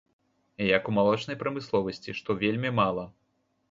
Як у малочнай прамысловасці, што вельмі мала.